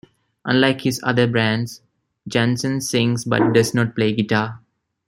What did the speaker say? Unlike his other bands, Jansen sings but does not play guitar.